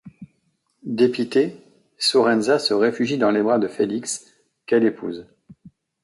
Dépitée, Sorenza se réfugie dans les bras de Félix, qu'elle épouse.